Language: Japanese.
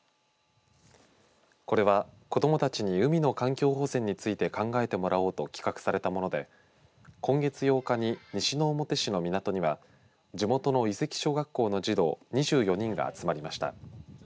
これは、子どもたちに海の環境保全について考えてもらおうと企画されたもので今月８日に西之表市の港には地元の伊関小学校の児童２４人が集まりました。